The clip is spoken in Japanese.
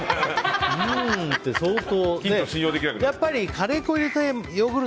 うーん！って相当。